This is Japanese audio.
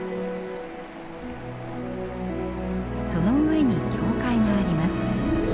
その上に教会があります。